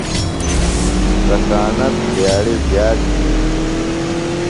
تراکݨہ دِیاڑیۡ زِیات گِھینیۡ۔